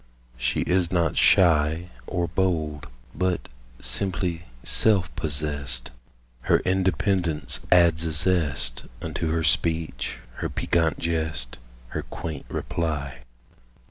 She is not shy Or bold, but simply self possessed; Her independence adds a zest Unto her speech, her piquant jest, Her quaint reply.